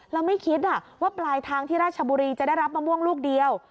แล้วไม่คิดว่าปลายทางที่ราชบุรีจะได้รับมะม่วงลูกเดียว